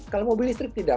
kalau mobil listrik tidak